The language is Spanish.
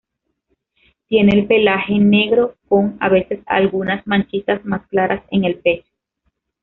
Tiene el pelaje negro con, a veces, algunas manchitas más claras en el pecho.